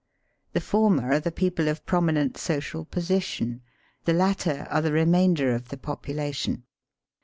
The former are the people of prominent social position; the latter are the remainder of the population.